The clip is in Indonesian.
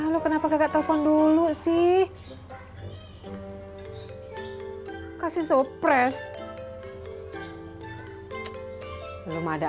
sampai jumpa di video selanjutnya